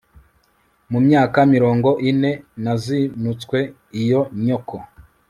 mu myaka mirongo ine nazinutswe iyo nyoko